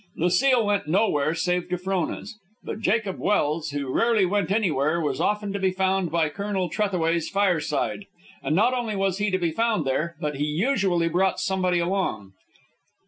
Lucile went nowhere save to Frona's. But Jacob Welse, who rarely went anywhere, was often to be found by Colonel Trethaway's fireside, and not only was he to be found there, but he usually brought somebody along.